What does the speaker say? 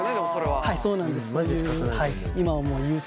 はいそうなんです。